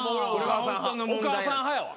お母さん派やわ。